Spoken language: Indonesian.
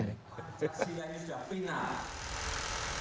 pancasila ini sudah final